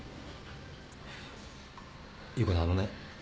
優子さんあのね。